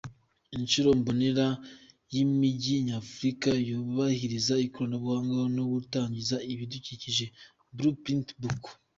Ishusho mbonera y’Imijyi Nyafurika yubahiriza ikoranabuhanga no kutangiza ibidukikije “Blue Print Book”.